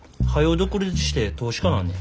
独立して投資家なんねん。